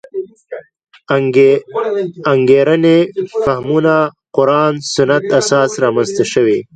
انګېرنې فهمونه قران سنت اساس رامنځته شوې.